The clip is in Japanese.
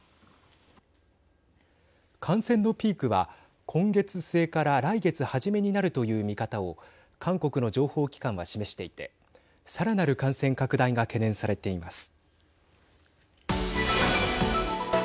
感染のピークは今月末から来月初めになるという見方を韓国の情報機関は示していてさらなる感染拡大が懸念されています。